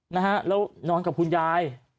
แล้วนอนกับคุณยาย